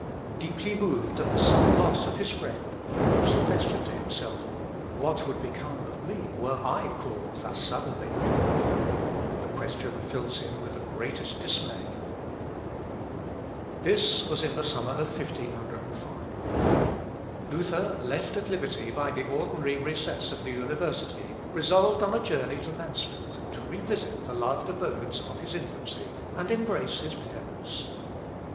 Deeply moved at the sudden loss of his friend, he puts the question to himself What would become of me were I called thus suddenly? The question fills him with the greatest dismay. "Interitu sodalis sui contristatus." (Cochlœus, p. 1.) This was in the summer of 1505. Luther, left at liberty by the ordinary recess of the university, resolved on a journey to Mansfeld, to revisit the loved abodes of his infancy, and embrace his parents.